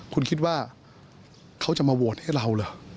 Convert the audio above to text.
คุณคิดว่าเขาจะมาโหวตให้เราเหรอ